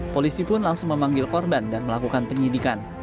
polisi pun langsung memanggil korban dan melakukan penyidikan